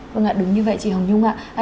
vâng ạ đúng như vậy chị hồng nhung ạ